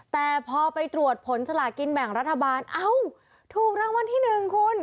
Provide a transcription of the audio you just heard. แต่พอไปตรวจผลสลากินแบ่งรัฐบาลเอ้าถูกรางวัลที่๑คุณ